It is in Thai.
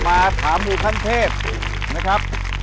มาถามหมู่ขั้นเทพนะครับ